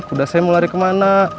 udah saya mau lari kemana